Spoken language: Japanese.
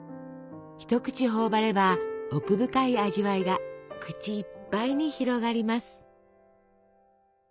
一口頬張れば奥深い味わいが口いっぱいに広がります。